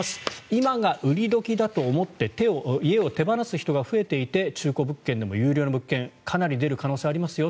今が売り時だと思って家を手放す人が増えていて中古物件でも優良な物件がかなり出る可能性がありますよ。